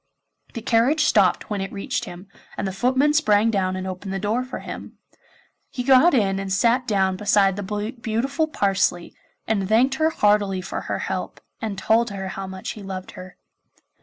The carriage stopped when it reached him, and the footmen sprang down and opened the door for him. He got in and sat down beside the beautiful Parsley, and thanked her heartily for her help, and told her how much he loved her.